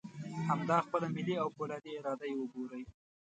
همدا خپله ملي او فولادي اراده یې وګورئ.